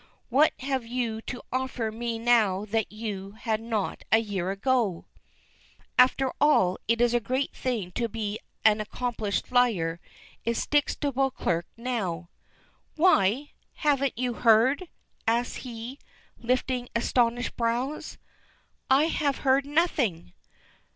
"What have you to offer me now that you had not a year ago?" After all, it is a great thing to be an accomplished liar. It sticks to Beauclerk now. "Why! Haven't you heard?" asks he, lifting astonished brows. "I have heard nothing!"